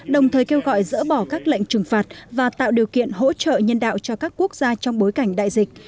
đồng thời kêu gọi dỡ bỏ các lệnh trừng phạt và tạo điều kiện hỗ trợ nhân đạo cho các quốc gia trong bối cảnh đại dịch